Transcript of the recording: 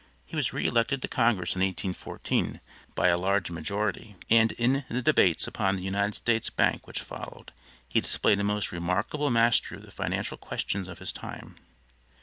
He was re elected to Congress in 1814 by a large majority, and in the debates upon the United States bank which followed, he displayed a most remarkable mastery of the financial questions of his time.